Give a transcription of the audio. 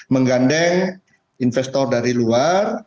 menggandeng investor dari luar